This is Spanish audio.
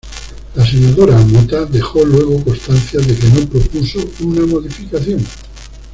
La Senadora Mota dejó luego constancia de que no propuso una modificación.